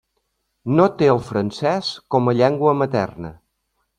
No té el francès com a llengua materna.